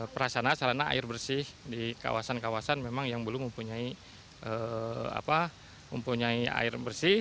perasana sarana air bersih di kawasan kawasan memang yang belum mempunyai air bersih